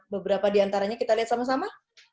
beberapa diantaranya kita lihat sama sama